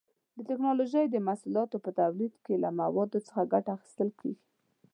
د ټېکنالوجۍ د محصولاتو په تولید کې له موادو څخه ګټه اخیستل کېږي.